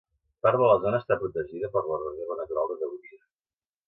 Part de la zona està protegida per la Reserva Natural de Dauria.